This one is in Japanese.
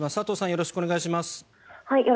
よろしくお願いします。